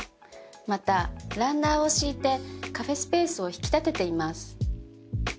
またランナーを敷いてカフェスペースを引き立てています。